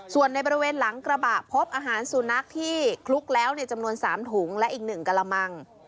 ส่วนในบริเวณหลังกระบะพบอาหารสุนัขที่คลุกแล้วในจำนวน๓ถุงและอีก๑กระมัง